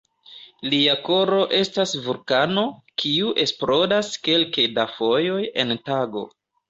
Lia koro estas vulkano, kiu eksplodas kelke da fojoj en tago.